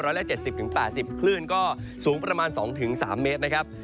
ละ๗๐๘๐คลื่นก็สูงประมาณ๒๓เมตรนะครับ